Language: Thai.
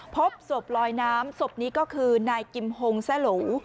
พบศพลอยน้ำศพนี้ก็คือนายกิมฮงแซ่โหล